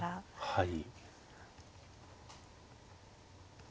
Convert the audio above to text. はい。